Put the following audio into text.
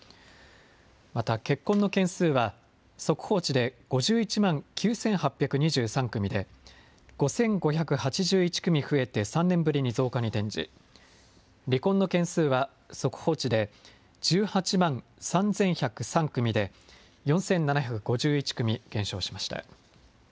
また、結婚の件数は速報値で５１万９８２３組で、５５８１組増えて３年ぶりに増加に転じ、離婚の件数は速報値で１８万３１０３組で、４７５１組減少しました。